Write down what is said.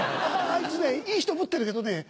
あいつねいい人ぶってるけどね